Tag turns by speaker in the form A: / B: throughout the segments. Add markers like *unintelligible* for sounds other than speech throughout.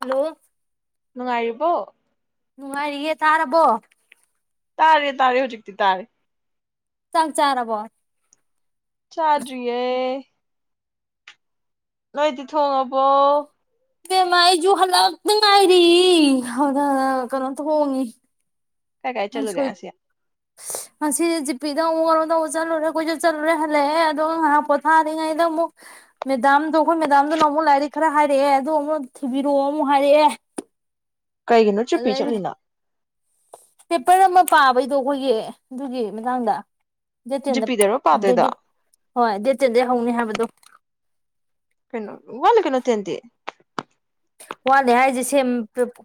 A: hello
B: ꯅꯨꯡꯉꯥꯏꯔꯤꯕꯣ
A: ꯅꯨꯡꯉꯥꯏꯔꯤꯌꯦ ꯇꯥꯔꯕꯣ
B: ꯇꯥꯔꯦ ꯇꯥꯔꯦ ꯍꯧꯖꯤꯛꯇꯤ ꯇꯥꯔꯦ
A: ꯆꯥꯛ ꯆꯥꯔꯕꯣ
B: ꯆꯥꯗꯔꯤꯌꯦ ꯅꯣꯏꯗꯤ ꯊꯣꯡꯉꯕꯣ
A: ꯏꯕꯦꯝꯃ ꯑꯩꯁꯨꯨ ꯍꯜꯂꯛꯇ ꯉꯥꯏꯔꯤ ꯍꯗ ꯀꯩꯅꯣꯇ ꯍꯣꯡꯉꯤ
B: ꯀꯥꯏ ꯀꯥꯏ ꯆꯠꯂꯨꯒꯦ ꯉꯁꯤ
A: ꯉꯁꯤꯗꯤ ꯖꯤꯄꯤꯗ ꯑꯃꯨꯛ ꯋꯥꯣꯗ ꯑꯃꯨꯛ ꯆꯠꯂꯨꯔꯦ ꯀꯣꯏꯆꯠ ꯆꯠꯂꯨꯔꯦ ꯍꯜꯂꯛꯑꯦ ꯑꯗꯨꯒ ꯉꯥꯏꯍꯥꯛ ꯄꯣꯊꯥꯔꯤꯉꯩꯗ ꯑꯃꯨꯛ ꯃꯦꯗꯥꯝꯗꯣ ꯑꯩꯈꯣꯏ ꯃꯦꯗꯥꯝꯗꯨꯅ ꯑꯃꯨꯛ ꯂꯥꯏꯔꯤꯛ ꯈꯔ ꯍꯥꯏꯔꯛꯑꯦ ꯑꯗꯣ ꯑꯃꯨꯛ ꯊꯤꯕꯤꯔꯛꯑꯣ ꯑꯃꯨꯛ ꯍꯥꯏꯔꯛꯑꯦ ꯍ
B: ꯀꯩꯒꯤꯅꯣ ꯖꯤꯄꯤ ꯆꯠꯂꯤꯅ
A: ꯄꯦꯄꯔ ꯑꯃ ꯄꯥꯕꯩꯗꯣ ꯑꯩꯈꯣꯏꯒꯤ ꯑꯗꯨꯒꯤ ꯃꯇꯥꯡꯗ ꯗꯦꯠ ꯇꯦꯟꯗ
B: ꯖꯤꯄꯤꯗꯔꯣ ꯄꯥꯗꯣꯏꯗꯣ
A: ꯗꯗꯒꯤ ꯍꯣꯏ ꯗꯦꯠ ꯇꯦꯟꯗꯒꯤ ꯍꯧꯅꯤ ꯍꯥꯏꯕꯗꯨꯣ
B: ꯀꯩꯅꯣ ꯋꯥꯠꯂꯤ ꯀꯩꯅꯣ ꯇꯦꯟꯗꯤ
A: ꯋꯥꯠꯂꯦ ꯍꯥꯏꯁꯦ ꯁꯦꯝ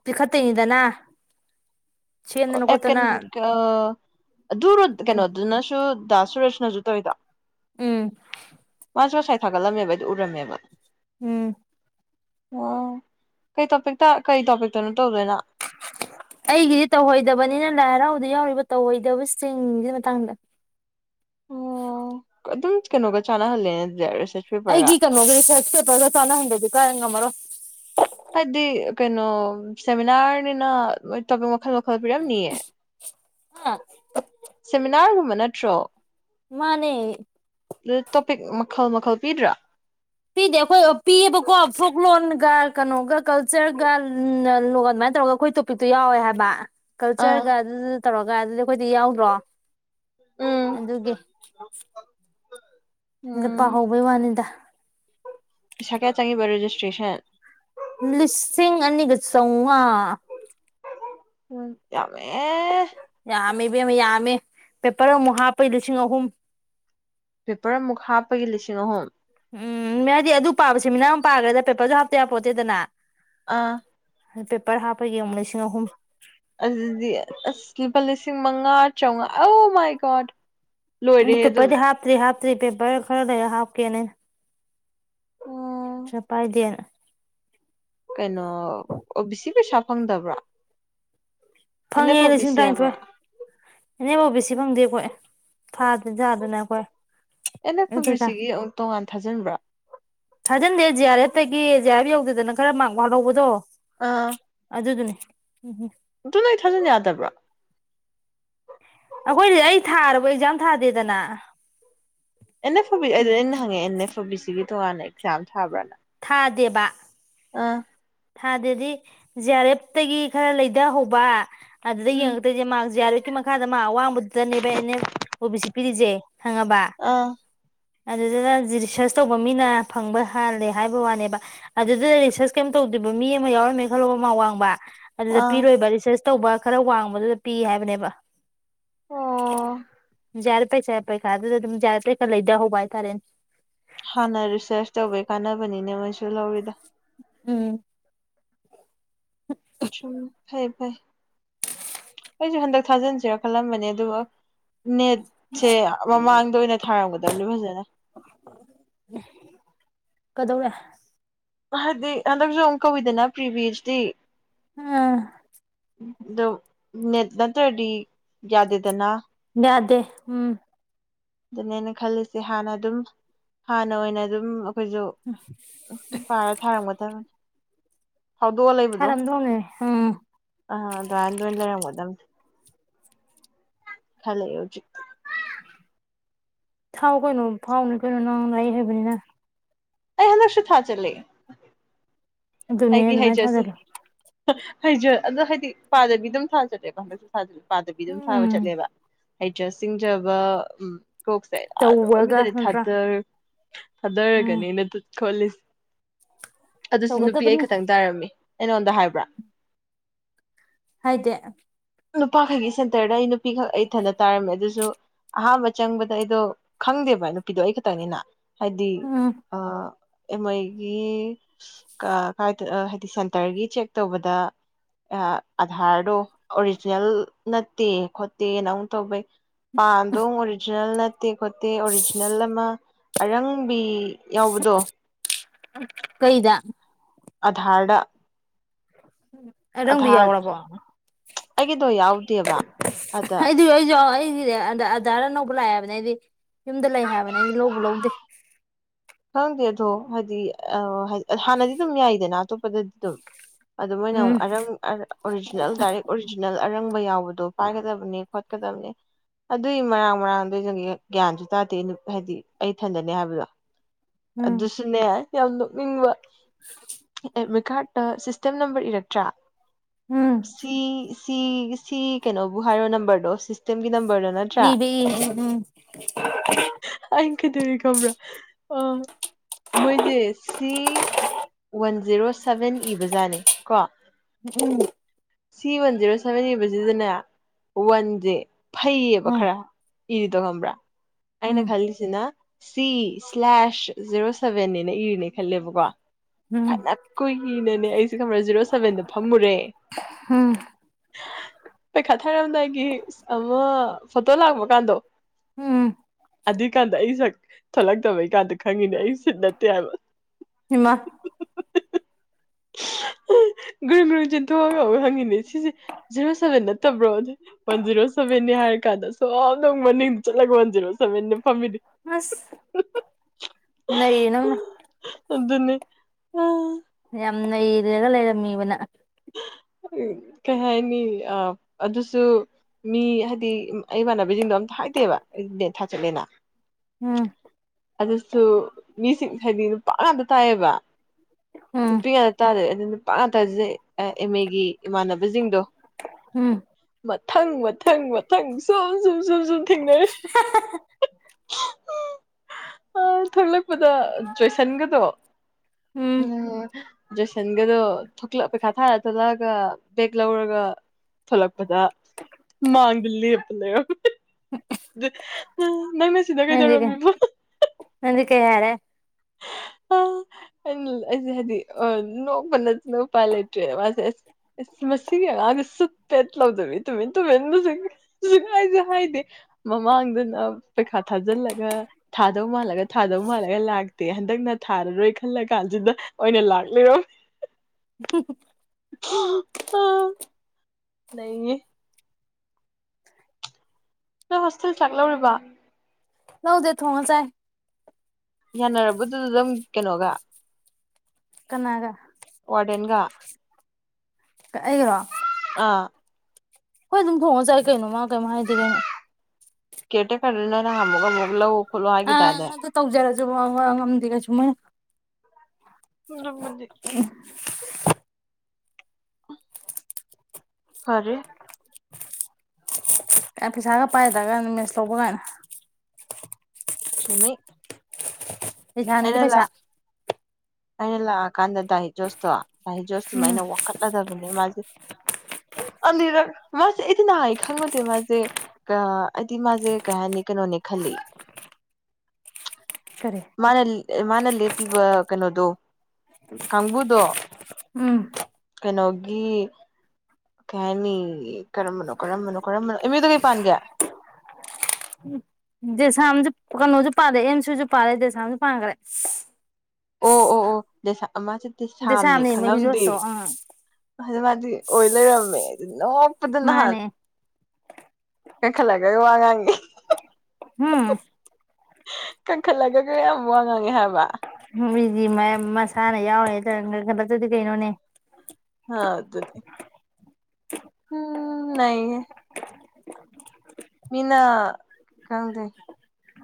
A: ꯄꯤꯈꯠꯇꯣꯏꯅꯤꯗꯅ ꯁꯦꯝꯗꯅ ꯈꯣꯠꯇꯅ
B: ꯑꯗꯨ
A: ꯎꯝ
B: ꯀꯩꯅꯣꯗꯨꯅꯁꯨ ꯗꯥ ꯁꯨꯔꯁꯅꯁꯨ ꯇꯧꯋꯤꯗ
A: ꯎꯝ
B: ꯃꯥꯁꯨ ꯉꯁꯥꯏ ꯊꯥꯒꯠꯂꯝꯃꯦꯕ ꯑꯩꯁꯨꯨ ꯎꯔꯝꯃꯦꯕ
A: ꯎꯝ
B: ꯑꯣ ꯀꯩ ꯇꯣꯄꯤꯛꯇ ꯀꯩ ꯇꯣꯄꯤꯛꯇꯅꯣ ꯇꯧꯗꯣꯏꯅ
A: ꯑꯩꯒꯤꯗꯤ ꯇꯧꯍꯩꯗꯕꯅꯤꯅ ꯂꯥꯏ ꯍꯔꯥꯎꯗ ꯌꯥꯎꯔꯤꯕ ꯇꯧꯍꯩꯗꯕꯁꯤꯡꯒꯤꯗꯨ ꯃꯇꯥꯡꯗ
B: ꯑꯣ ꯑꯗꯨꯝ ꯀꯩꯅꯣꯒ ꯆꯥꯟꯅꯍꯜꯂꯦꯅꯔꯁꯦ
A: ꯑꯩꯒꯤ ꯀꯩꯅꯣꯒꯤ ꯔꯤꯁ꯭ꯔꯁ ꯄꯦꯄꯔ ꯆꯥꯟꯅꯍꯟꯗꯕꯗꯤ ꯀꯥꯏ ꯉꯝꯃꯔꯣꯏ
B: ꯍꯥꯏꯕꯗꯤ ꯀꯩꯅꯣ ꯁꯦꯃꯤꯅꯥꯔꯅꯤꯅ ꯇꯣꯄꯤꯛ ꯃꯈꯜ ꯃꯈꯜ ꯄꯤꯔꯝꯅꯤꯌꯦ
A: ꯑ
B: ꯦꯃꯤꯅꯥꯔꯒꯨꯝꯕ ꯅꯠꯇ꯭ꯔꯣ
A: ꯃꯥꯅꯦ
B: ꯑꯗꯨ ꯇꯣꯄꯤꯛ ꯃꯈꯜ ꯃꯈꯜ ꯄꯤꯗ꯭ꯔꯥ
A: ꯄꯤꯗꯦ ꯑꯩꯈꯣꯏ ꯄꯤꯑꯕꯀꯣ ꯐꯣꯛ ꯂꯣꯟꯒ ꯀꯩꯅꯣꯒ ꯀꯜꯆꯔꯒ ꯑꯗꯨꯃꯥꯏꯅ ꯇꯧꯔꯒ ꯑꯩꯈꯣꯏ ꯄꯤꯗꯨꯣ ꯌꯥꯎꯋꯦ ꯍꯥꯏꯕ
B: ꯑꯥ
A: ꯀꯜꯆꯔꯒ ꯑꯗꯨꯗꯨ ꯇꯧꯔꯒ ꯑꯗꯨꯗꯤ ꯑꯩꯈꯣꯏꯗ ꯌꯥꯎꯗ꯭ꯔꯣ
B: ꯎꯝ
A: ꯑꯗꯨꯒꯤ ꯑꯗ
B: ꯎꯝ
A: ꯄꯥꯍꯧꯕꯩ ꯋꯥꯅꯤꯗ
B: ꯄꯩꯥ ꯀꯌꯥ ꯆꯪꯉꯤꯕ ꯔꯦꯖꯤꯁꯇ꯭ꯔꯦꯁꯟ
A: ꯂꯤꯁꯤꯡ ꯑꯅꯤꯒ ꯆꯥꯝꯃꯉꯥ
B: ꯎꯃꯦ
A: ꯌꯥꯝꯃꯦ ꯕꯦꯝꯃ ꯌꯥꯝꯃꯦ ꯄꯦꯄꯔ ꯑꯃꯨꯛ ꯍꯥꯞꯄꯩ ꯂꯤꯁꯤꯡ ꯑꯍꯨꯝ
B: ꯄꯦꯄꯔ ꯑꯃꯨꯛ ꯍꯥꯞꯄꯒꯤ ꯂꯤꯁꯤꯡ ꯑꯍꯨꯝ
A: ꯎꯝ ꯍꯥꯏꯗꯤ ꯑꯗꯨ ꯄꯥꯕ ꯁꯦꯃꯤꯅꯥꯔ ꯑꯃ ꯄꯥꯈ꯭ꯔꯦꯗ ꯄꯦꯄꯔꯁꯨꯞꯇꯦꯕꯄꯣꯠꯇꯦꯗꯅ
B: ꯑꯥ
A: ꯄꯦꯄꯔ ꯍꯥꯞꯄꯒꯤ ꯑꯃꯨꯛ ꯂꯤꯁꯤꯡ ꯑꯍꯨꯝ
B: ꯑꯗꯨꯗꯤ ꯑꯁ ꯂꯨꯄꯥ ꯂꯤꯁꯤꯡ ꯃꯉꯥ ꯆꯥꯝꯃꯉꯥ ꯑꯧ ꯃꯥꯏ ꯀꯣ
A: ꯄꯦꯄꯔꯗꯤ ꯍꯥꯇ꯭ꯔꯤ ꯍꯥꯇ꯭ꯔꯤ ꯄꯦꯄꯔ ꯈꯔ ꯍꯥꯀꯦꯅꯦ
B: ꯎꯝ
A: ꯆꯄꯥꯏꯗꯦꯅ
B: ꯀꯩꯅꯣ ꯑꯣ ꯕꯤ ꯁꯤ ꯄꯩꯁꯥ ꯐꯪꯗꯕ꯭ꯔꯥ ꯑꯦꯟ
A: ꯐꯪꯉꯦ
B: ꯑꯦꯐ ꯑꯣ ꯕꯤ
A: ꯂꯤꯁꯤꯡ
B: ꯁꯤ ꯍꯥꯏꯕ꯭ꯔꯥ
A: ꯇꯔꯥꯅꯤꯊꯣꯏ ꯑꯦꯅꯦꯕꯣ ꯕꯤ ꯁꯤ ꯐꯪꯗꯦ ꯑꯩꯈꯣꯏ ꯊꯥꯗꯅꯖꯥꯗꯅ ꯑꯩꯈꯣꯏ
B: ꯑꯦꯩꯅ
A: ꯄꯩꯁꯥ
B: ꯐꯁꯤꯒꯤ ꯑꯃꯨꯛ ꯇꯣꯉꯥꯟ ꯊꯥꯖꯤꯟꯕ꯭ꯔꯥ
A: ꯊꯥꯖꯟꯗꯦ ꯖꯤ ꯑꯥꯔ ꯑꯦꯐꯇꯒꯤ ꯖꯤ ꯑꯥꯔ ꯑꯦꯐ ꯌꯧꯗꯦꯗꯅ ꯈꯔ ꯃꯥꯔ ꯋꯥꯍꯧꯕꯗꯣ
B: ꯑꯥ
A: ꯑꯗꯨꯗꯨꯅꯦ ꯎꯝꯝ
B: ꯑꯗꯨ ꯅ ꯑꯩ ꯊꯥꯖꯟ ꯌꯥꯗꯕ꯭ꯔꯣ
A: ꯑꯩꯈꯣꯏꯗꯤ ꯑꯩ ꯊꯥꯔꯕ ꯑꯦꯛꯖꯥꯝ ꯊꯥꯗꯦꯗꯅ
B: ꯑꯦꯟ ꯑꯦꯐ ꯑꯣ ꯕꯤ ꯑꯩꯗ ꯑꯩꯅ ꯍꯪꯉꯦ ꯑꯦꯟ ꯑꯦꯐ ꯑꯣ ꯕꯤ ꯁꯤꯒꯤ ꯇꯣꯉꯥꯟ ꯑꯦꯛꯖꯥꯝ ꯊꯥꯕ꯭ꯔꯥꯅ
A: ꯊꯥꯗꯦꯕ
B: ꯑꯥ
A: ꯊꯥꯗꯗꯤ ꯖꯤ ꯑꯥꯔ ꯑꯦꯐꯇꯒꯤ ꯈꯔ ꯂꯩꯊꯍꯧꯕ ꯑꯗꯨꯗ
B: ꯎꯝ
A: ꯌꯦꯡꯉꯛꯇꯣꯏꯁꯦ ꯃꯥꯔꯁ ꯌꯥꯔꯛ ꯃꯈꯥꯗ ꯃꯥ ꯑꯋꯥꯡꯕꯗꯨꯗꯅꯦꯕ ꯑꯩꯅ ꯑꯣ ꯕꯤ ꯁꯤ ꯄꯤꯔꯤꯁꯦ ꯈꯪꯉꯕ
B: ꯑꯥ
A: ꯑꯗꯨꯗꯨꯅ ꯔꯤꯁꯔꯁ ꯇꯧꯕ ꯃꯤꯅ ꯐꯪꯕ ꯍꯥꯜꯂꯦ ꯍꯥꯏꯕ ꯋꯥꯅꯦꯕ ꯑꯗꯨꯗꯨꯗ ꯔꯤꯁꯔꯁ ꯀꯩꯝ ꯇꯧꯗꯣꯏꯔꯤꯕ ꯃꯤ ꯑꯃ ꯌꯥꯎꯔꯝꯃꯦ ꯈꯜꯂꯣ ꯑꯃ ꯋꯥꯡꯕ ꯑꯗꯨꯗ
B: ꯑꯥ
A: ꯄꯤꯔꯣꯏꯕ ꯔꯤꯁꯔꯁ ꯇꯧꯕ ꯈꯔ ꯋꯥꯡꯕꯗꯨꯗ ꯄꯤ ꯍꯥꯏꯕꯅꯦꯕ
B: ꯑꯣ
A: ꯌꯥꯔꯦ ꯄꯩꯁꯥ ꯄꯩꯁꯥ ꯑꯗꯨꯝ ꯌꯥꯦ ꯄꯩꯁꯥ ꯂꯩꯗ ꯍꯧꯕ ꯍꯥꯏꯇꯥꯔꯦ
B: ꯍꯥꯟꯅ ꯔꯤꯁꯔꯁ ꯇꯧꯕꯩ ꯀꯥꯟꯅꯕꯅꯤꯅꯦ ꯃꯣꯏꯁꯨ ꯂꯧꯔꯤꯗ
A: ꯎꯝ
B: ꯎ ꯐꯩ ꯐꯩ ꯑꯩꯁꯨ ꯍꯟꯗꯛ ꯊꯥꯖꯤꯟꯁꯤꯔ ꯈꯜꯂꯝꯕꯅꯦ ꯑꯗꯨꯒ ꯅꯦꯠꯁꯦ ꯃꯃꯥꯡꯗ ꯑꯣꯏꯅ ꯊꯥꯔꯝꯒꯗꯕꯅꯦ ꯐꯖꯅ
A: ꯀꯗꯧꯔꯦ
B: ꯍꯥꯏꯗꯤ ꯍꯟꯗꯛꯁꯨ ꯑꯃꯨꯛ ꯀꯧꯋꯤꯗꯅ ꯄ꯭ꯔꯤꯚꯁꯇꯤ
A: ꯑꯝ
B: ꯎ ꯑꯗꯣ ꯅꯦꯠ ꯅꯠꯇ꯭ꯔꯗꯤ ꯌꯥꯗꯦꯗꯅ
A: ꯌꯥꯗꯦ ꯎꯝ
B: ꯑꯗꯨꯅꯦꯅ ꯈꯜꯂꯤꯁꯦ ꯍꯥꯟꯅ ꯑꯗꯨꯝ ꯍꯥꯟꯅ ꯑꯣꯏꯅ ꯑꯗꯨꯝ ꯑꯩꯈꯣꯏꯁꯨ
A: ꯑ
B: ꯎ ꯄꯥꯔꯦ ꯊꯥꯔꯝꯒꯗꯕꯅꯤ ꯐꯥꯎꯗꯣꯛꯑ ꯂꯩꯕꯗꯣ
A: ꯊꯥꯔꯝꯗꯧꯅꯦ ꯎꯝ
B: ꯑ ꯑꯗꯨꯣꯥꯏꯣꯏ ꯂꯩꯔꯝꯒꯗ ꯈꯂꯦ ꯌ ꯍꯧꯖꯤ
A: ꯊꯥꯎ ꯀꯩꯅꯣ ꯐꯥꯎꯅꯤ ꯀꯩꯅꯣ ꯅꯥꯡ ꯂꯏ ꯍꯥꯏꯕꯅꯤꯅ
B: ꯑꯩ ꯍꯟꯗꯁꯨ ꯊꯥ ꯆꯂꯦ
A: ꯑꯗꯨꯅꯦ
B: ꯑꯩꯒꯤ
A: ꯑꯗꯨꯃꯥꯏꯅ
B: ꯍꯩꯖꯁꯦ
A: ꯊꯥꯖꯜꯂꯣ
B: ꯍꯩꯖ ꯑꯗꯣ ꯍꯥꯏꯗꯤ ꯄꯥꯖꯕꯤ ꯑꯗꯨꯝ ꯊꯥꯖꯔꯦꯀꯣ ꯍꯟꯗꯛ ꯄꯥꯗꯕꯤ ꯑꯗꯨꯝ ꯊꯥꯕ
A: ꯎꯝ
B: ꯆꯠꯂꯦꯕ ꯍꯩꯖ ꯁꯤꯡꯖꯕ ꯎ ꯀꯣꯛ
A: ꯇꯧꯔꯒ
B: ꯂꯣꯏꯕꯗꯗꯤ ꯊꯥ
A: ꯅꯠꯇ꯭ꯔꯥ ꯎꯝ
B: ꯊꯥꯗꯔꯒꯅꯦꯅ ꯈꯣꯂꯤꯁꯦ ꯑꯗꯨꯁꯨ ꯅꯨꯄꯤ ꯑꯩ
A: ꯇꯧꯒꯗꯕꯅꯤ
B: ꯈꯇꯪ ꯇꯥꯔꯝꯃꯤ ꯑꯩꯉꯣꯟꯗ ꯍꯥꯏꯕ꯭ꯔꯥ
A: ꯍꯥꯏꯗꯦ
B: ꯅꯨꯄꯥꯈꯛꯒꯤ ꯁꯦꯟꯇꯔꯗ ꯑꯩ ꯅꯨꯄꯤꯈꯛ ꯑꯩ ꯊꯟꯗ ꯇꯥꯔꯝꯃꯦ ꯑꯗꯨꯁꯨ ꯑꯍꯥꯟꯕ ꯆꯪꯕꯗ ꯑꯩꯗꯣ ꯈꯪꯗꯦꯕ ꯅꯨꯄꯤꯗꯣ ꯑꯩ ꯈꯛꯇꯪꯅꯤꯅ ꯍꯥꯏꯗꯤ
A: ꯎꯝ
B: ꯑ *unintelligible* ꯀꯥꯏ ꯍꯥꯏꯗꯤ ꯁꯦꯟꯇꯔꯒꯤ ꯆꯦꯛ ꯇꯧꯕꯗ ꯑꯙꯥꯔꯗꯣ ꯑꯣꯔꯤꯖꯤꯅꯦꯜ ꯅꯠꯇꯦ ꯈꯣꯠꯇꯦꯅ ꯑꯃꯨꯛ ꯇꯧꯕꯩ ꯄꯥꯟꯗꯣ ꯃꯨꯛ ꯑꯣꯔꯤꯖꯤꯅꯦꯜ ꯅꯠ ꯇꯦ ꯈꯣꯠꯇꯦ ꯑꯣꯔꯤꯖꯤꯅꯦꯜ ꯑꯃ ꯑꯔꯪꯕꯤ ꯌꯥꯎꯕꯗꯣ
A: ꯀꯩꯗ
B: ꯑꯙꯥꯔꯗ
A: ꯑꯔꯪꯕꯤ
B: ꯑꯙꯥꯔ
A: ꯌꯩꯔꯥꯕꯣ
B: ꯑꯩꯒꯤꯗꯣ ꯌꯥꯎꯗꯦꯕ ꯑꯗ
A: ꯑꯩꯖꯨ ꯑꯩꯖ ꯑꯗꯥꯥꯔ ꯑꯅꯧꯕ ꯂꯥꯛꯑꯦ ꯍꯥꯏꯕꯅꯦ ꯑꯩꯗꯤ ꯌꯨꯝꯗ ꯂꯩ ꯍꯥꯏꯕꯅꯦ ꯑꯩꯗꯤ ꯂꯧꯕ ꯂꯧꯗꯦ
B: ꯈꯪꯗꯦ ꯑꯗꯣ ꯍꯥꯏꯗꯤ ꯍꯥꯟꯅꯗꯤ ꯑꯗꯨꯝ ꯌꯥꯏꯗꯅ ꯑꯇꯣꯞꯄꯗꯗꯤ ꯑꯗꯨꯝ ꯑꯗꯨ ꯃꯣꯏꯅ ꯑꯃꯨꯛ
A: ꯎꯝ
B: ꯑꯔꯪ ꯑꯣꯔꯤꯖꯤꯅꯦꯜ ꯗꯥꯏꯔꯦꯛ ꯑꯣꯔꯤꯖꯤꯅꯦꯜ ꯑꯔꯪꯕ ꯌꯥꯎꯕꯗꯣ ꯄꯥꯏꯒꯗꯕꯅꯤ ꯈꯣꯠꯀꯗꯕꯅꯦ ꯑꯗꯨꯏ ꯃꯔꯥꯡ ꯃꯔꯥꯡꯗꯪ ꯒ꯭ꯌꯥꯟꯁꯨ ꯇꯥꯗꯦ ꯍꯥꯏꯗꯤ ꯑꯩ ꯊꯟꯗꯅꯤ ꯍꯥꯏꯕꯗꯣ
A: ꯎꯝ
B: ꯑꯗꯨꯁꯨꯅꯦ ꯌꯥꯝ ꯅꯣꯛꯅꯤꯡꯕ ꯑꯦꯗꯃꯤ ꯀꯥꯔꯠ ꯁꯤꯁꯇꯦꯝ ꯅꯝꯕꯔ ꯏꯔꯛꯇ꯭ꯔꯥ
A: ꯎꯝ
B: ꯁꯤ ꯁꯤ ꯁꯤ ꯀꯩꯅꯣꯕꯨ ꯍꯥꯏꯔꯣ ꯅꯝꯕꯔꯗꯣ ꯁꯤꯁꯇꯦꯝꯒꯤ ꯅꯝꯕꯔꯗ
A: ꯏꯔꯤ ꯎꯝ ꯎꯝ
B: ꯑꯩꯅ ꯀꯩꯗꯧꯔꯤ ꯈꯕ꯭ꯔꯥ ꯑ ꯃꯣꯏꯁꯦ ꯁꯤ ꯋꯥꯟ ꯖꯦꯔꯣ ꯁꯕꯦꯟ ꯏꯕꯖꯥꯠꯅꯦ ꯀꯣ
A: ꯎꯝ
B: ꯁꯤ ꯋꯥꯟ ꯖꯦꯔꯣ ꯁꯚꯦꯟ ꯏꯕꯁꯤꯗꯅꯦ ꯋꯥꯟꯖꯦ ꯐꯩꯌꯦꯕ ꯈꯔ ꯏꯔꯤꯗꯣ ꯈꯪꯕ꯭ꯔꯥ ꯑꯩꯅ
A: ꯎꯝ
B: ꯈꯜ ꯁꯤꯅ ꯁꯤ ꯁ꯭ꯂꯦꯁ ꯖꯦꯔꯣ ꯁꯕꯟꯅꯦꯅ ꯏꯔꯅꯦ ꯈꯜꯂꯦꯕꯀꯣ
A: ꯎꯝ ꯎꯝ
B: ꯐꯅ ꯀꯨꯏꯅꯅꯦ ꯑꯩꯁꯦ ꯈꯪꯕꯔ ꯖꯦꯔꯣ ꯁꯚꯦꯟꯗ ꯐꯝꯃꯨꯔꯦ
A: ꯍꯥ
B: ꯄꯩꯈꯥ ꯊꯥꯔꯝꯗꯥꯏꯒꯤ ꯑꯃ ꯐꯣꯇꯣ ꯂꯥꯛꯄ ꯀꯥꯟꯗꯣ
A: ꯎꯝ
B: ꯑꯗꯨꯏꯀꯥꯟꯗ ꯑꯩꯁꯛ ꯊꯣꯛꯂꯛꯇꯕꯩ ꯀꯥꯟꯗ ꯈꯪꯉꯤꯅꯦ ꯑꯩ ꯁꯤꯠ ꯅꯠꯇꯦ ꯍꯥꯏꯕ
A: ꯍꯩꯃꯥ
B: ꯒ꯭ꯔꯨ ꯒ꯭ꯔꯨ ꯆꯦꯟꯊꯣꯛꯑꯒ ꯑꯃꯨꯛ ꯍꯪꯉꯤꯅꯦ ꯁꯤꯁꯦ ꯖꯦꯔꯣ ꯁꯚꯦꯟ ꯅꯠꯇꯕ꯭ꯔꯣ ꯑꯗꯨ ꯋꯥꯟ ꯖꯤꯔꯣ ꯁꯚꯦꯟꯅꯦ ꯍꯥꯏꯔꯀꯥꯟꯗ ꯁꯣꯝꯗꯧ ꯃꯅꯤꯡ ꯆꯠꯂꯒ ꯋꯥꯟ ꯖꯤꯔꯣ ꯁꯕꯦꯟꯅ ꯐꯝꯃꯤꯅꯤ
A: ꯑꯁ
B: *inaudible*
A: ꯅꯩꯔꯦ ꯅꯪꯅ
B: ꯑꯗꯨꯅꯦ ꯑ
A: ꯌꯥꯝ ꯅꯩꯔꯦꯒ ꯂꯩꯔꯝꯃꯤꯕꯅ
B: ꯀꯩ ꯍꯥꯏꯅꯤ ꯑ ꯑꯗꯨꯁꯨ ꯃꯤ ꯍꯥꯏꯗꯤ ꯑꯩ ꯏꯃꯅꯕꯤꯁꯤꯡꯗꯣ ꯑꯝꯇ ꯍꯥꯏꯗꯦꯕ ꯑꯩ ꯗꯦꯠ ꯊꯥ ꯆꯠꯂꯦꯅ
A: ꯎꯝ
B: ꯑꯗꯨꯁꯨ ꯃꯤꯁꯤꯡ ꯍꯥꯏꯗꯤ ꯅꯨꯄꯥ ꯉꯥꯛꯇ ꯇꯥꯏꯑꯕ
A: ꯎꯝ
B: ꯅꯨꯄꯤ ꯉꯥꯛꯇ ꯇꯥꯔꯦ ꯑꯗꯨ ꯅꯨꯄꯥ ꯉ ꯇꯥꯔꯤꯁꯦ ꯑ ꯑꯦꯝꯃꯦꯒꯤ ꯏꯃꯥꯟꯅꯕꯁꯤꯡꯗꯣ
A: ꯎꯝ
B: ꯃꯊꯪ ꯃꯊꯪ ꯃꯊꯪ ꯁꯨꯝ ꯁꯨꯝ ꯁꯨꯝ ꯁꯨꯝ ꯊꯦꯡꯅꯔꯦ ꯊꯣꯛꯂꯛꯄꯗ ꯖꯣꯏꯁꯟꯒꯗꯣ
A: ꯎꯝ
B: ꯎ ꯖꯣꯏꯁꯟꯒꯗꯣ ꯄꯩꯈꯥ ꯊꯥꯔ ꯊꯣꯛꯂꯛꯑꯒ ꯕꯦꯛ ꯂꯧꯔꯒ ꯊꯣꯂꯛꯄꯗ ꯃꯥꯡꯗ ꯂꯦꯞ ꯂꯩꯔꯝꯃꯦ *unintelligible* ꯀꯩꯗꯧꯔꯝꯃꯤꯕ
A: *unintelligible* ꯅꯪꯗꯤ ꯀꯩ ꯍꯥꯏꯔꯦ
B: *unintelligible* ꯑꯥ ꯅꯣꯛꯄ ꯅꯠꯇꯅꯥ ꯎꯄꯥꯏ ꯂꯩꯇꯔꯦ ꯃꯁꯦ ꯃꯁꯤꯒꯤ ꯑꯉꯥꯡꯁ ꯁꯨꯠꯄꯦꯠ ꯂꯧꯗꯕꯃꯤ ꯇꯨꯃꯤ ꯇꯨꯝꯃꯦ *unintelligible* *unintelligible* ꯍꯥꯏꯗꯦ ꯃꯃꯥꯡꯗꯨꯅ ꯄꯩꯈꯥ ꯊꯥꯖꯤꯜꯂꯒ ꯊꯥꯗꯧ ꯃꯥꯜꯂꯒ ꯊꯥꯗꯧ ꯃꯥꯜꯂꯒ ꯂꯥꯛ *unintelligible* ꯍꯟꯗꯛꯅ ꯊꯥꯔꯔꯣꯏ ꯈꯜꯂ ꯀꯥꯟꯁꯤꯗ ꯑꯣꯏꯅ ꯂꯥꯛꯂꯤꯔꯣ
A: *unintelligible*
B: *unintelligible* ꯂꯩꯅꯤ ꯅꯣꯏ ꯍꯣꯁꯇꯦꯜ ꯆꯥꯛ ꯂꯧꯔꯤꯕ
A: ꯂꯧꯗꯦ ꯊꯣꯡꯉꯥ ꯆꯦ
B: ꯌꯥꯅꯔꯕꯗꯨꯗ ꯑꯗꯨꯝ ꯀꯩꯅꯣꯒ
A: ꯀꯅꯥꯒ
B: ꯋꯥꯔꯗꯦꯟꯒ
A: ꯀꯥ ꯑꯩꯔꯣ
B: ꯑꯥ
A: ꯍꯣꯏ ꯑꯗꯨꯝ ꯊꯣꯡꯉꯒ ꯆꯥꯏ ꯀꯩꯅꯣ ꯃꯥ ꯀꯩꯝ ꯍꯥꯏꯗꯤ ꯀꯩꯅꯣ
B: ꯀꯦꯇꯦꯀꯅ *unintelligible*
A: ꯑꯥ ꯑꯗꯨ ꯇꯧꯖꯔꯁꯨ *unintelligible* ꯉꯝꯗꯦ ꯀꯩꯁꯨ ꯃꯣꯏꯅ
B: *unintelligible* ꯐꯥꯔꯦ
A: ꯑꯦ ꯄꯩꯁꯥꯒ ꯄꯥꯏꯗ꯭ꯔꯒ *unintelligible* ꯀꯥꯏꯅ
B: ꯆꯨꯝꯃꯤ
A: ꯄꯩꯁꯥꯅꯦꯁꯨ
B: ꯑꯩꯅ ꯂ
A: ꯄꯩꯁꯥ
B: ꯑꯩꯅ ꯂꯥꯛꯑꯀꯥꯟꯗ ꯗꯥ ꯍꯤꯖꯣꯁꯇꯣ ꯗꯥꯍꯤ
A: ꯎꯝ
B: ꯖꯣꯁꯇꯨꯃꯥꯏꯅ *unintelligible* ꯃꯥꯁꯦ ꯑꯩꯗꯤ ꯅꯍꯥꯟ ꯈꯪꯉꯨꯗꯦ ꯃꯥꯁꯦ ꯑ ꯑꯩꯗꯤ ꯃꯥꯁꯦ ꯀꯩ ꯍꯥꯏꯅꯤ ꯀꯩꯅꯣꯅꯤ ꯈꯜꯂꯤ
A: ꯀꯔꯤ
B: ꯃꯥꯅ ꯃꯥꯅ ꯂꯦꯞꯄꯤꯕ ꯀꯩꯅꯣꯗꯣ ꯀꯥꯡꯕꯨꯗꯣ
A: ꯎꯝ
B: ꯀꯩꯅꯣꯒꯤ ꯀꯩ ꯍꯥꯏꯅꯤ ꯀꯔꯝꯕꯅꯣ ꯀꯔꯝꯕꯅꯣ ꯀꯔꯝꯕꯅꯣ ꯏꯃꯤꯗ ꯀꯩ ꯄꯥꯟꯒꯦ
A: ꯗꯦꯁꯥꯝꯁꯨ ꯀꯩꯅꯣꯁꯨ ꯄꯥꯔꯦ ꯑꯦꯝꯁꯨ ꯄꯥꯔꯦ ꯗꯦꯁꯥꯝꯁꯨ ꯄꯥꯈ꯭ꯔꯦ
B: ꯑꯣ ꯑꯣ ꯑꯣ ꯗꯦꯁꯝ ꯃꯥꯁꯦ ꯗꯦꯁꯥꯝꯅꯤ
A: ꯗꯦꯁꯥꯝꯅꯦ
B: ꯈꯪꯉꯝꯗꯦ
A: ꯃꯍꯤꯖꯣꯁꯇꯣ ꯑꯥ
B: ꯑꯗꯨ ꯃꯥꯗꯤ ꯑꯣꯏ ꯂꯩꯔꯝꯃꯦ ꯑꯗꯨ ꯅꯣꯛꯄꯗ ꯅꯍꯥꯟ
A: ꯃꯥꯅꯦ
B: *unintelligible* ꯋꯥ ꯉꯥꯡꯉꯦ
A: ꯍꯨꯝ
B: ꯀꯟꯈꯠꯂꯒ ꯀꯌꯥꯝ ꯋꯥ ꯉꯥꯡꯉꯦ ꯍꯥꯏꯕ
A: ꯃꯤꯗꯤ ꯃꯁꯥꯅ ꯌꯥꯎꯔꯦ ꯈꯗꯛꯇꯗꯤ ꯀꯩꯅꯣꯅꯦ
B: ꯍꯥ ꯑꯗꯨ ꯎꯝ ꯅꯩꯍꯦ ꯃꯤꯅ ꯈꯪꯗꯦ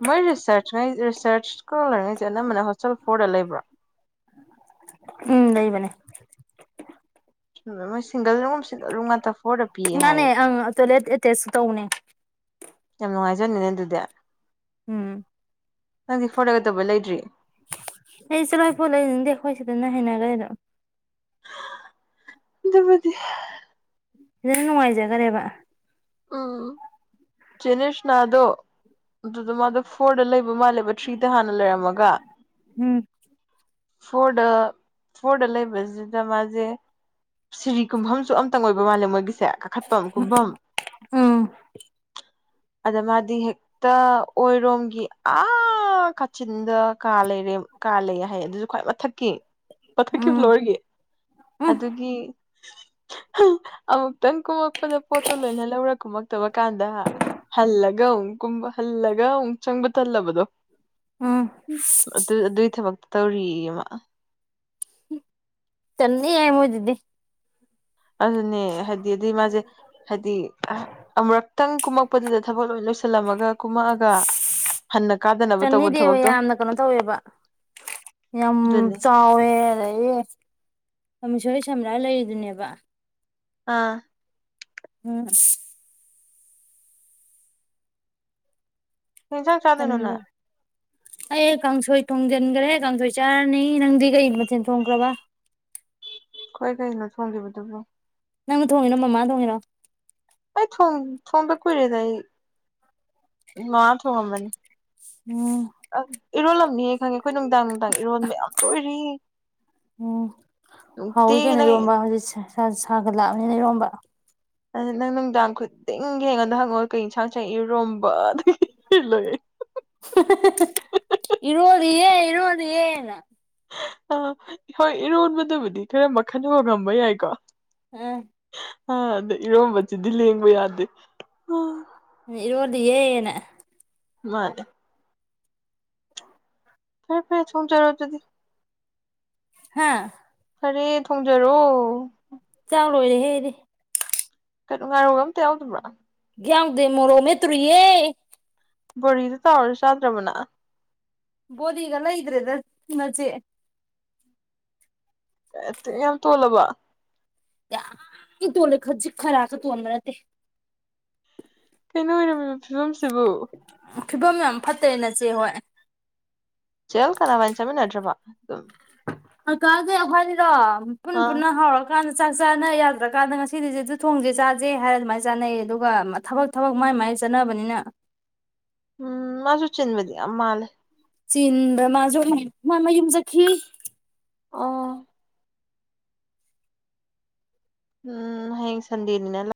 B: ꯃꯣꯏ ꯔꯤꯁꯔꯁ ꯔꯤꯁꯔꯁꯀ ꯂꯩꯔꯤꯉꯩꯁꯦ ꯑꯅꯝꯕꯅ ꯍꯣꯁꯇꯦꯜ ꯐꯣꯔꯗ ꯂꯩꯕ꯭ꯔꯣ
A: ꯎꯝ ꯂꯩꯕꯅꯦ
B: *unintelligible*
A: ꯅꯅꯦ ꯑꯪ ꯇꯣꯏꯂꯦꯠꯑꯥꯠꯇꯦꯁ ꯇꯧꯅꯦ
B: ꯌꯥꯝ ꯅꯨꯡꯉꯥꯏꯖꯅꯤꯅꯦ ꯑꯗꯨꯗꯤ
A: ꯎꯝ
B: ꯅꯪꯗꯤ ꯐꯣꯟꯔꯒ ꯇꯧꯕꯩ ꯂꯩꯇ꯭ꯔꯤ
A: ꯑꯦ ꯆꯂꯍꯦ ꯐꯣꯔ ꯂꯩꯅꯤꯡꯗꯦ ꯑꯈꯣꯏ ꯁꯤꯗꯅ ꯍꯩꯅꯒ꯭ꯔꯦ ꯑꯗꯨꯝ
B: ꯑꯗꯨꯕꯨꯗꯤ
A: *unintelligible* ꯅꯨꯡꯉꯥꯏꯖꯈꯔꯦꯕ
B: ꯎꯝ ꯆꯦꯅꯤꯁꯅꯥꯗꯣ ꯑꯗꯨꯗ ꯃꯥꯗꯣ ꯐꯣꯔꯗ ꯂꯩꯕ ꯃꯥꯜꯂꯦꯕ ꯊ꯭ꯔꯤꯗ ꯍꯥꯟꯅ ꯂꯩꯔꯝꯃ
A: ꯎꯝ
B: ꯐꯣꯔꯗ ꯐꯣꯔꯗ ꯂꯩꯕꯁꯤꯗ ꯃꯥꯁꯦ ꯁꯤꯔꯤ ꯀꯨꯝꯐꯝꯁꯨ ꯑꯝꯇꯪ ꯑꯣꯏꯕ ꯃꯥꯜꯂꯦ ꯃꯣꯏꯒꯤꯁꯦ ꯀꯥꯠ
A: ꯎꯝ
B: ꯑꯗ ꯃꯥꯗꯤ ꯍꯦꯛ ꯇ ꯑꯣꯏꯔꯣꯝꯒꯤ ꯑꯥ ꯀꯥꯆꯤꯟꯗ ꯀꯥ ꯂꯩꯔꯦꯝ ꯀꯥ ꯂꯩ ꯍꯥꯏꯌꯦ ꯑꯗꯨꯁꯨ ꯈ꯭ꯋꯥꯏ ꯃꯊꯛꯀꯤ ꯃꯊꯛꯀꯤ
A: ꯎꯝ
B: ꯐ꯭ꯂꯣꯏꯔꯒꯤ
A: ꯎꯝ
B: ꯑꯗꯨꯒꯤ ꯑꯃꯨꯛꯇꯪ ꯀꯨꯝꯃꯛꯄꯗ ꯄꯣꯠꯇꯣ ꯂꯣꯏꯍꯜꯂꯤ ꯂꯧꯔꯛ ꯀꯨꯝꯃꯛꯇꯕ ꯀꯥꯟꯗ ꯍꯜꯂꯒ ꯑꯃꯨꯛꯀꯨꯝꯕ ꯍꯜꯂꯒ ꯑꯃꯨꯛ ꯆꯪꯕ ꯇꯜꯂꯕꯗꯣ
A: ꯎꯝ
B: ꯑꯗꯨ ꯑꯗꯨꯒꯤ ꯊꯕꯛꯇ ꯇꯧꯔꯤꯌꯦ ꯑꯃ
A: ꯆꯟꯅ ꯌꯦ ꯑꯣꯏꯗꯗꯗꯤ
B: ꯑꯗꯨꯅꯦ ꯍꯥꯏꯗꯤ ꯑꯗꯨꯏ ꯃꯥꯁꯦ ꯍꯥꯏꯗꯤ ꯑꯃꯨꯨꯔꯛꯇꯪ ꯀꯨꯝꯃꯛꯄꯗꯨꯗ ꯊꯕꯛ ꯂꯣꯏ ꯂꯣꯏꯁꯤꯜꯂꯝꯃꯒ ꯀꯨꯝꯃꯛꯑꯒ ꯍꯟꯅ ꯀꯥꯗꯅꯕ ꯇꯧꯕ
A: ꯆꯟꯅꯤꯗꯦꯕ
B: ꯊꯕꯛꯇꯣ
A: ꯌꯥꯝꯅ ꯀꯩꯅꯣ ꯇꯧꯋꯦꯕ ꯌꯥꯝ
B: ꯑꯗꯨꯅꯤ
A: ꯆꯥꯎꯋꯦ ꯑꯗꯗꯒꯤ ꯃꯤꯁꯣꯏ ꯁꯝꯂꯥꯏ ꯂꯩꯔꯤꯗꯨꯅꯦꯕ
B: ꯑꯥ
A: *unintelligible*
B: ꯀꯩ ꯏꯟꯁꯥꯡ ꯆꯥꯗꯣꯏꯅꯣ ꯅꯪ
A: ꯇꯟꯕ ꯑꯩ ꯀꯥꯡꯁꯣꯏ ꯊꯣꯡꯖꯤꯟꯈ꯭ꯔꯦ ꯀꯥꯡꯁꯣꯏ ꯆꯥꯔꯅꯤ ꯅꯪꯗꯤ ꯀꯩ ꯃꯊꯦꯜ ꯊꯣꯡꯈ꯭ꯔꯕ
B: ꯑꯩꯈꯣꯏ ꯀꯩꯅꯣ ꯊꯣꯡꯈꯤꯕꯗꯨꯕꯣ
A: ꯅꯪꯅ ꯊꯣꯡꯉꯤꯔꯣ ꯃꯃꯥꯅꯊꯣꯡꯉꯤꯔꯣ
B: ꯑꯩ ꯊꯣꯡꯕ ꯀꯨꯏꯔꯦꯗ ꯑꯩ ꯉꯉꯥ ꯊꯣꯡꯉꯝꯕꯅꯤ
A: ꯎꯝ
B: ꯑ ꯏꯔꯣꯜꯂꯝꯅꯤꯍꯦ ꯈꯪꯉꯦ ꯑꯩꯈꯣꯏ ꯅꯨꯡꯗꯥꯡ ꯅꯪ ꯏꯔꯣꯟꯕ ꯌꯥꯝ ꯇꯣꯏꯔꯤ ꯅꯨꯡꯇꯤ ꯅꯪ
A: ꯋꯔꯤꯁꯦ ꯏꯁ ꯁꯥꯒ ꯂꯥꯛꯑꯕꯅꯤꯅ ꯏꯔꯣꯝꯕ
B: ꯑꯗꯨ ꯅꯪ ꯅꯨꯡꯗꯥꯡ ꯈꯨꯗꯤꯡꯒꯤ ꯌꯦꯡꯉꯣꯟꯗ ꯍꯪꯉꯣ ꯀꯩ ꯌꯦꯟꯁꯥꯡꯁꯥꯡ ꯏꯔꯣꯝꯕ ꯑꯗꯨ ꯂꯣꯏ
A: ꯏꯔꯣꯜꯂꯤ ꯌꯦ ꯏꯔꯣꯜꯂꯤ ꯌꯦꯅ
B: ꯑ ꯍꯣꯏ ꯏꯔꯣꯟꯕꯗꯕꯨꯗꯤ ꯈꯔ ꯃꯈꯟ ꯍꯣꯡꯉꯝꯕ ꯌꯥꯏꯀꯣ
A: ꯎꯝ
B: ꯑ ꯑꯗ ꯏꯔꯣꯝꯕꯕꯁꯤꯗꯤ ꯂꯦꯡꯕ ꯌꯥꯗꯦ
A: ꯎ ꯏꯔꯣꯜꯂꯤꯌꯦꯅ
B: ꯃꯥꯅꯦ ꯐꯔꯦ ꯐꯔꯦ ꯊꯣꯡꯖꯔꯣ ꯑꯗꯨꯗꯤ
A: ꯍꯥꯥ
B: ꯐꯔꯦ ꯊꯣꯡꯖꯔꯣ
A: ꯆꯥꯛ ꯂꯣꯏꯔꯦ ꯑꯩꯗꯤ
B: ꯀꯩꯅꯣ ꯉꯥꯏꯔꯧꯒ ꯑꯝꯇ ꯌꯥꯎꯗꯕ꯭ꯔꯥ
A: ꯌꯥꯎꯗꯦ ꯃꯔꯣꯛ ꯃꯦꯠꯇꯨꯔꯤꯌꯦ
B: ꯕꯣꯔꯤꯗꯤ ꯇꯥꯥꯎꯔ ꯆꯥꯗ꯭ꯔꯕꯔꯣ
A: ꯕꯣꯔꯤꯒ ꯂꯩꯗꯔꯦꯗ ꯅꯆꯦ
B: ꯌꯥꯝ ꯇꯣꯜꯂꯕ
A: ꯌꯝ ꯇꯣꯜꯂꯦ ꯈꯖꯤꯛ ꯈꯔꯥꯛꯀ ꯇꯣꯟꯕ ꯅꯠꯇꯦ
B: ꯀꯩꯅꯣ ꯑꯣꯏꯔꯝꯃꯤꯕ ꯐꯤꯕꯝꯁꯤꯕꯨ
A: ꯐꯤꯕꯝ ꯌꯥꯝ ꯐꯠꯇꯦ ꯅꯆꯦ ꯍꯣꯏ
B: ꯆꯦꯦꯜ ꯀꯅꯥ ꯋꯥꯏꯟ ꯆꯃꯤ ꯅꯠꯇ꯭ꯔꯕ
A: ꯀꯥꯒꯤꯦ ꯑꯩꯈꯣꯏꯅꯤꯔꯣ ꯄꯨꯟ
B: ꯑꯥ
A: ꯄꯨꯟꯅ ꯍꯧꯔꯛ ꯆꯀꯥꯟꯗ ꯆꯥꯛ ꯆꯥꯅ ꯌꯥꯗ꯭ꯔꯀꯥꯟꯗ ꯉꯁꯤꯗꯤꯁꯦ ꯑꯗꯨ ꯊꯣꯡꯁꯦ ꯆꯥꯖꯦ ꯍꯥꯏꯔ ꯑꯗꯨꯃꯥꯏꯅ ꯆꯥꯅꯩꯌꯦ ꯑꯗꯨꯒ ꯊꯕꯛ ꯊꯕꯛ ꯃꯥꯏ ꯃꯥꯏ ꯆꯠꯅꯕꯅꯤꯅ
B: ꯑꯨꯝ ꯃꯥꯁꯨ ꯆꯤꯟꯕ ꯌꯥꯝ ꯃꯥꯂꯦ
A: ꯆꯤꯟꯕ꯭ꯔꯥ ꯃꯥꯖꯨ ꯃꯥ ꯃꯌꯨꯝ ꯆꯠꯈꯤ
B: ꯑꯣ ꯎꯝ ꯍꯌꯦꯡ ꯁꯟꯗꯦꯅꯤꯅ